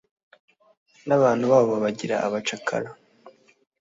n'abantu babo babagira abacakara